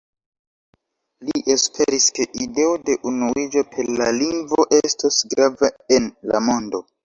Li esperis, ke ideo de unuiĝo per la lingvo estos grava en la mondo.